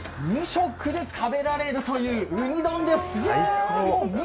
２色で食べられるというウニ丼です。